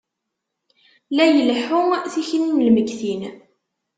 La ileḥḥu, tikli n lmegtin.